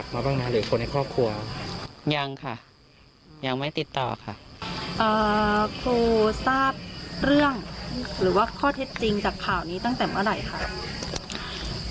ครูทราบเรื่องหรือว่าข้อเท็จจริงจากข่าวนี้ตั้งแต่เมื่อไหร่ค่ะ